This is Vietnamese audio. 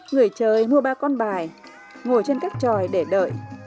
người chơi mua ba con bài ngồi trên các tròi để đợi